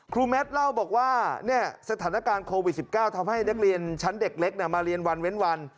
แมทเล่าบอกว่าสถานการณ์โควิด๑๙ทำให้นักเรียนชั้นเด็กเล็กมาเรียนวันเว้นวัน